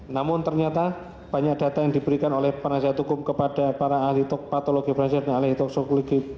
namun ternyata banyak data yang diberikan oleh peranjaan hukum kepada para ahli toksikologi personaheal itu sekali